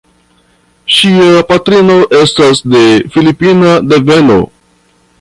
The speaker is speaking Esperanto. Ŝia patrino estas de filipina deveno.